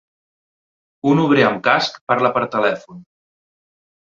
Un obrer amb casc parla per telèfon.